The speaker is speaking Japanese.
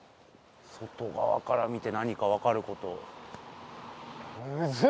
外側から見て何か分かることむず！